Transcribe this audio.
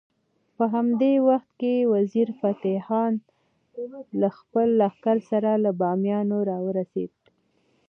په همدې وخت کې وزیر فتح خان له خپل لښکر سره له بامیانو راورسېد.